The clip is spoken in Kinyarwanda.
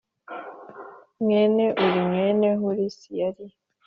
mwene Uri mwene Huris yari